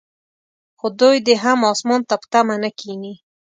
خو دوی دې هم اسمان ته په تمه نه کښیني.